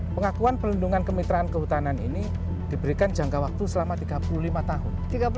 pengakuan pelindungan kemitraan kehutanan ini diberikan jangka waktu selama tiga puluh lima tahun